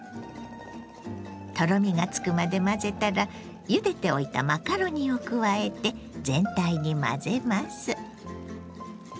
とろみがつくまで混ぜたらゆでておいたマカロニを加えて全体に混ぜます。